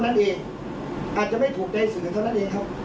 ไปตรวจสอบรู้ได้นะครับ